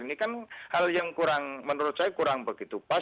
ini kan hal yang menurut saya kurang begitu pas